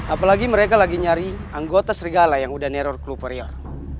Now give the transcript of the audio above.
apalagi mereka lagi nyari anggota serigala yang udah neror klu warior